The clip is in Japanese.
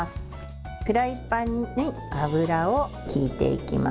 フライパンに油を入れていきます。